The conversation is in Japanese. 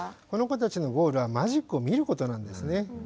この子たちのゴールはマジックを見ることなんですね。